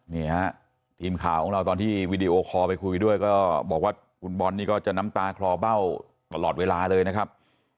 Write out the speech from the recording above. นี่ฮะทีมข่าวของเราตอนที่วีดีโอคอลไปคุยด้วยก็บอกว่าคุณบอลนี่ก็จะน้ำตาคลอเบ้าตลอดเวลาเลยนะครับ